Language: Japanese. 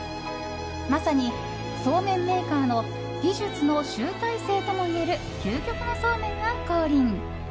まさに、そうめんメーカーの技術の集大成ともいえる究極のそうめんが降臨。